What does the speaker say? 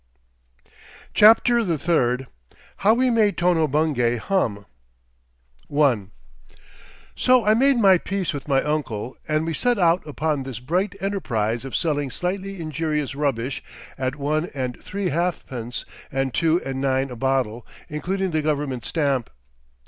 CHAPTER THE THIRD HOW WE MADE TONO BUNGAY HUM I So I made my peace with my uncle, and we set out upon this bright enterprise of selling slightly injurious rubbish at one and three halfpence and two and nine a bottle, including the Government stamp.